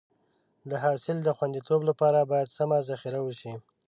د حاصل د خونديتوب لپاره باید سمه ذخیره وشي.